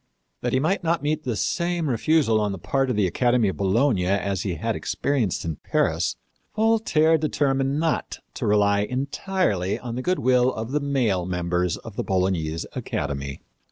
That he might not meet the same refusal on the part of the Academy of Bologna as he had experienced in Paris, Voltaire determined not to rely entirely on the good will of the male members of the Bolognese academy.